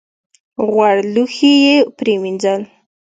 غوړ لوښي یې پرېمینځل .